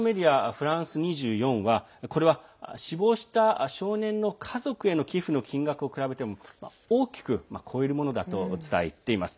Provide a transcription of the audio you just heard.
フランス２４はこれは死亡した少年の家族への寄付の金額と比べても大きく超えるものだと伝えています。